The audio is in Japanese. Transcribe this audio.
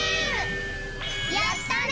やったね！